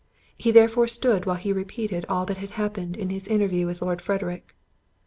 He therefore stood while he repeated all that had happened in his interview with Lord Frederick.